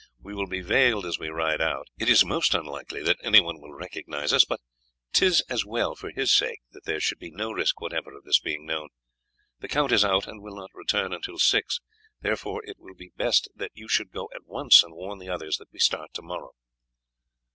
We will be veiled as we ride out. It is most unlikely that anyone will recognize us, but 'tis as well for his sake that there should be no risk whatever of this being known. The count is out and will not return until six, therefore it will be best that you should go at once and warn the others that we start to morrow."